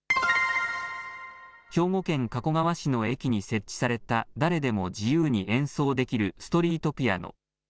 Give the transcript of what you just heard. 兵庫県加古川市の駅に設置された誰でも自由に演奏できるストリートピアノ。